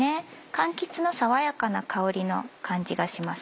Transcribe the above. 柑橘の爽やかな香りの感じがします。